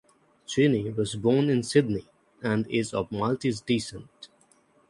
Cini was born in Sydney and is of Maltese descent.